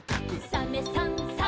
「サメさんサバさん」